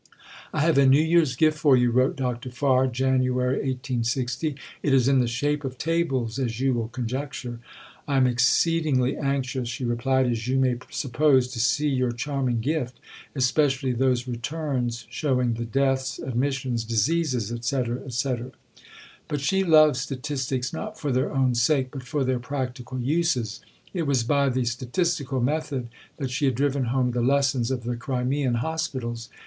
"I have a New Year's Gift for you," wrote Dr. Farr (Jan. 1860); "it is in the shape of Tables, as you will conjecture." "I am exceedingly anxious," she replied, "as you may suppose, to see your charming Gift, especially those Returns showing the deaths, admissions, diseases," etc., etc. But she loved statistics, not for their own sake, but for their practical uses. It was by the statistical method that she had driven home the lessons of the Crimean hospitals.